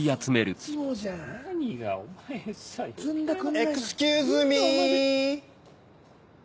エクスキューズミー。